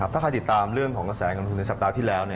ถ้าใครติดตามเรื่องของกระแสเงินทุนในสัปดาห์ที่แล้ว